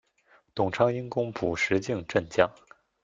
董昌因功补石镜镇将。